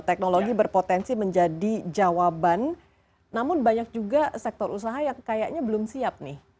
teknologi berpotensi menjadi jawaban namun banyak juga sektor usaha yang kayaknya belum siap nih